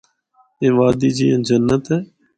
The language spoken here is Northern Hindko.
اے وادی جیّاں جنت اے۔